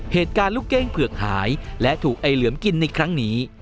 เหตุการณ์ลูกเก้งเผือกหายและถูกไอเหลือมกินในครั้งนี้